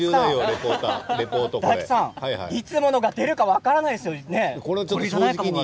いつものが出るか分からないですよね。